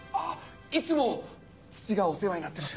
いつも父がお世話になってます。